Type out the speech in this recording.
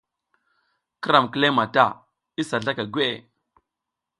Ki ram kileƞ mata isa zlaka gweʼe.